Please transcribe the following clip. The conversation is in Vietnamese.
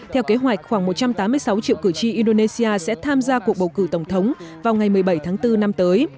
theo kế hoạch khoảng một trăm tám mươi sáu triệu cử tri indonesia sẽ tham gia cuộc bầu cử tổng thống vào ngày một mươi bảy tháng bốn năm tới